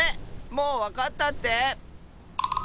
もうわかったって？